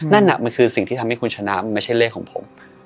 นั่นน่ะมันคือสิ่งที่ทำให้คุณชนะไม่ใช่เลขของผม